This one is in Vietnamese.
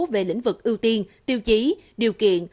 về lĩnh vực ưu tiên tiêu chí điều kiện